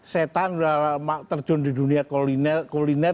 setan sudah terjun di dunia kuliner